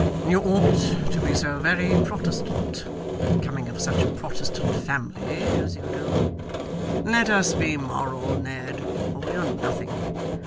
You ought to be so very Protestant, coming of such a Protestant family as you do. Let us be moral, Ned, or we are nothing.